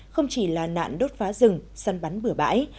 không chỉ là nạn đốt phá rừng săn bắn bửa bãi